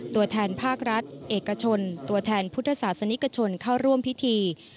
ตัวแทนภาครัฐเอกชนตัวแทนพุทธศาสนิกชนเข้าร่วมพิธี